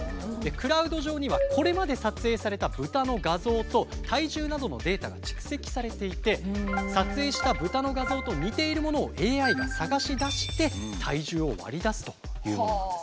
クラウド上にはこれまで撮影された豚の画像と体重などのデータが蓄積されていて撮影した豚の画像と似ているものをＡＩが探し出して体重を割り出すというものなんです。